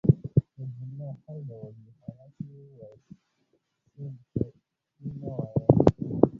که جمله هر ډول وي هغسي يې وایاست. س په ش مه واياست.